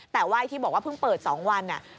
แต่ว่าไอ้ที่บอกว่าเพิ่งเปิด๒วัน